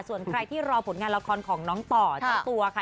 ส่วนใครที่รอผลงานละครของน้องต่อเจ้าตัวค่ะ